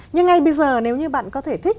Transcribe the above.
nhưng ngay bây giờ nếu như bạn có thể thích